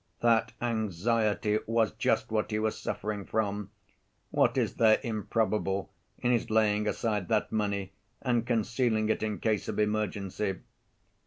That anxiety was just what he was suffering from—what is there improbable in his laying aside that money and concealing it in case of emergency?